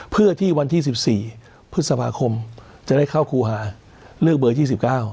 เพื่อที่วันที่๑๔พฤษภาคมจะได้เข้าครูหาเลือกเบอร์๒๙